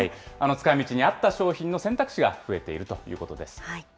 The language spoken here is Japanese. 使いみちに合った商品の選択肢が増えているということです。